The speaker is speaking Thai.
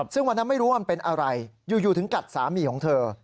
ซึ่งวันนั้นไม่รู้ว่ามันเป็นอะไรอยู่ถึงกัดสามีของเธอ